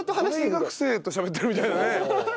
大学生としゃべってるみたいなね。